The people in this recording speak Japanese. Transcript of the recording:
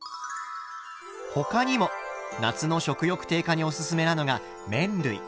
他にも夏の食欲低下におすすめなのが麺類。